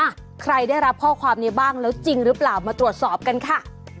ใครได้รับข้อความนี้บ้างแล้วจริงหรือเปล่ามาตรวจสอบกันค่ะ